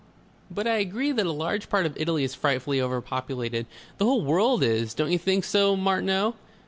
But I agree that a large part of Italy is frightfully overpopulated. The whole world is. Don't you think so, Martineau?"